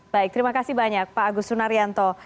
baik terima kasih banyak pak agus sunaryanto